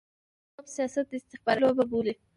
دوی لا هم سیاست د استخباراتي لوبه بولي.